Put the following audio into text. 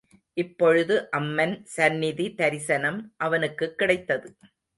இப்பொழுது அம்மன் சந்நிதி தரிசனம் அவனுக்குக் கிடைத்தது.